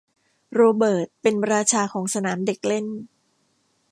โรเบิร์ตเป็นราชาของสนามเด็กเล่น